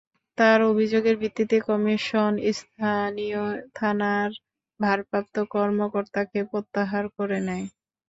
তাঁর অভিযোগের ভিত্তিতে কমিশন স্থানীয় থানার ভারপ্রাপ্ত কর্মকর্তাকে প্রত্যাহার করে নেয়।